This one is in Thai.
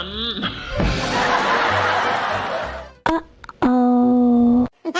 ไม่ใช่กล้วยนั้น